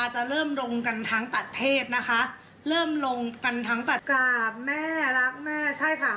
จะเริ่มลงกันทั้งประเทศนะคะเริ่มลงกันทั้งปัตราแม่รักแม่ใช่ค่ะ